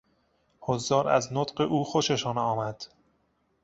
حضار از نطق او خوششان آمد.